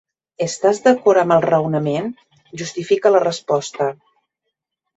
Estàs d'acord amb el raonament? Justifica la resposta.